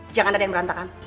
jangan ada yang berantakan